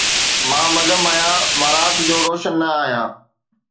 مان مدھم آھيان، مان رات جو روشن نه آھيان